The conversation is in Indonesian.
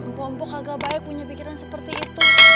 empok empok agak baik punya pikiran seperti itu